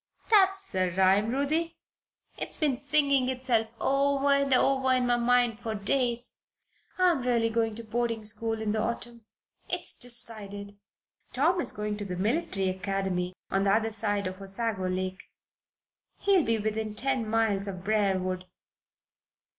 That's a rhyme, Ruthie; it's been singing itself over and over in my mind for days. I'm really going to boarding school in the autumn. It's decided. Tom is going to the military academy on the other side of Osago Lake. He'll be within ten miles of Briarwood."